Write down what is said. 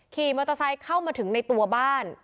ขี่มอเตอร์ไซค์เข้ามาถึงในตัวบ้าน